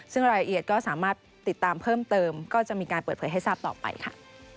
ซึ่งรายละเอียดก็สามารถติดตามเพิ่มเติมก็จะมีการเปิดเผยให้ทราบต่อไปค่ะ